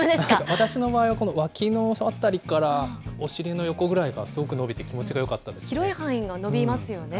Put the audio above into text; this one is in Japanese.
私の場合は脇の辺りからお尻の横ぐらいがすごく伸びて気持ち広い範囲が伸びますよね。